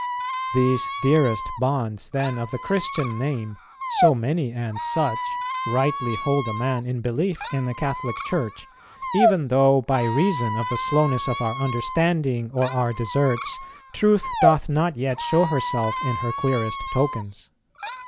These dearest bonds, then, of the Christian Name, so many and such, rightly hold a man in belief in the Catholic Church, even though, by reason of the slowness of our understanding or our deserts, truth doth not yet show herself in her clearest tokens.